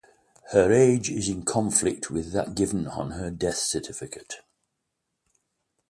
Her age is in conflict with that given on her death certificate.